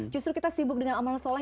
justru kita sibuk dengan amal soleh